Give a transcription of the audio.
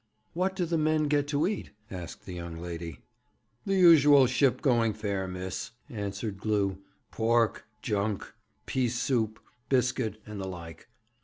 'What do the men get to eat?' asked the young lady. 'The usual ship going fare, miss,' answered Glew: 'pork, junk, pease soup, biscuit, and the like.'